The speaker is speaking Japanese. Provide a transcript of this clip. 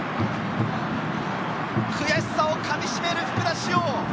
悔しさをかみしめる福田師王。